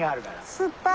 酸っぱい！